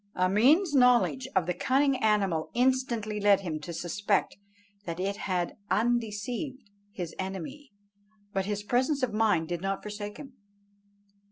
Ameen's knowledge of the cunning animal instantly led him to suspect that it had undeceived his enemy, but his presence of mind did not forsake him.